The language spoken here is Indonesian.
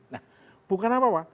nah bukan apa apa